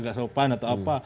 gak sopan atau apa